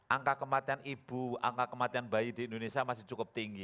angka kematian ibu angka kematian bayi di indonesia masih cukup tinggi